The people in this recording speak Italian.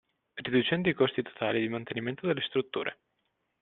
Riducendo i costi totali di mantenimento delle strutture.